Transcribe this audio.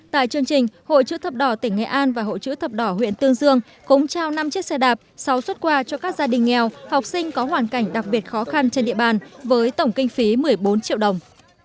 tại chương trình hội chữ thập đỏ tỉnh nghệ an và hội chữ thập đỏ huyện tương dương cũng trao năm chiếc xe đạp sáu xuất quà cho các gia đình nghèo học sinh có hoàn cảnh đặc biệt khó khăn trên địa bàn với tổng kinh phí một mươi bốn triệu đồng